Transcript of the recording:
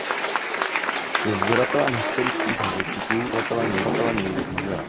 Je sběratelem historických motocyklů a provozovatelem jejich muzea.